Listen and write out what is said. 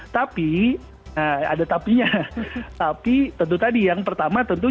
tapi ada tapinya tapi tentu tadi yang pertama tentu